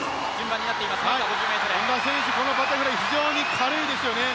本多選手、バタフライ、非常に軽いですよね。